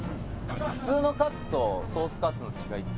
普通のカツとソースカツの違いって。